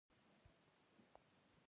مچان د بدن خارښت پیدا کوي